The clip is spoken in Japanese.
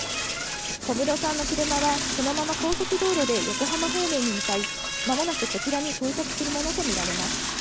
小室さんの車は、そのまま高速道路で横浜方面に向かい、まもなくこちらに到着するものと見られます。